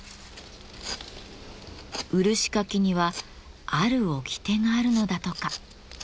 漆かきにはある掟があるのだとか。